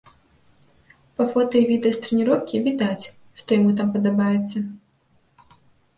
Па фота і відэа з трэніроўкі відаць, што яму там падабаецца.